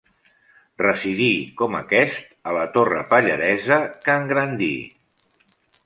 Residí, com aquest, a la torre Pallaresa, que engrandí.